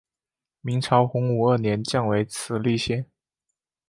明朝洪武二年降为慈利县。